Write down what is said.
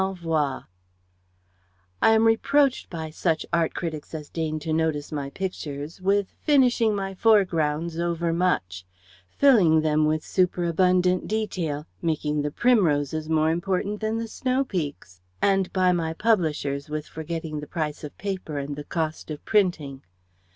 L'ENVOI I am reproached by such Art Critics as deign to notice my pictures with "finishing my foregrounds over much," filling them with superabundant detail, making the primroses more important than the snow peaks. And by my publishers with forgetting the price of paper and the cost of printing.